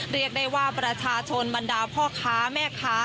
เรียกได้ว่าประชาชนบรรดาพ่อค้าแม่ค้า